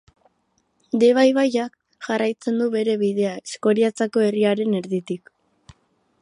Deba ibaiak jarraitzen du bere bidea Eskoriatzako herriaren erditik.